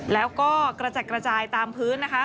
แล้วก็กระจัดกระจายตามพื้นนะคะ